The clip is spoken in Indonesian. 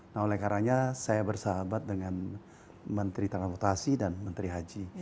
nah oleh karanya saya bersahabat dengan menteri transportasi dan menteri haji